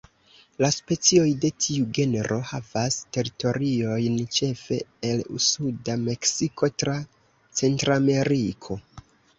La specioj de tiu genro havas teritoriojn ĉefe el suda Meksiko tra Centrameriko.